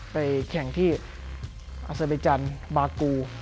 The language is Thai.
ไปแข่งที่อาศัยบัยจันทร์บากู